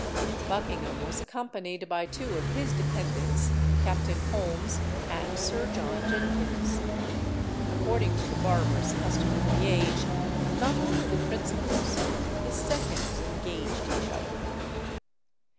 Buckingham was accompanied by two of his dependents, Captain Holmes and Sir John Jenkins. According to the barbarous custom of the age, not only the principals, but the seconds engaged each other.